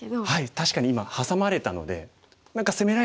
確かに今ハサまれたので何か攻められてそうだよね。